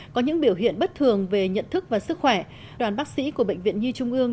có những biểu hiện bất thường về nhận thức và sức khỏe đoàn bác sĩ của bệnh viện nhi trung ương